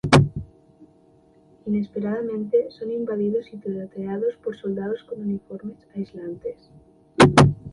Inesperadamente son invadidos y tiroteados por soldados con uniformes aislantes.